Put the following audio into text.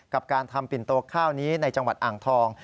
กับการทำปิ่นโตข้าวนี้ในจังหวัดอ่างทอง